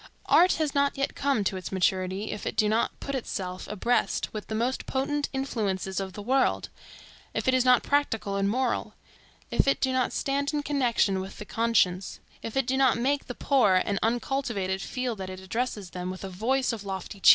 Art has not yet come to its maturity if it do not put itself abreast with the most potent influences of the world, if it is not practical and moral, if it do not stand in connection with the conscience, if it do not make the poor and uncultivated feel that it addresses them with a voice of lofty cheer.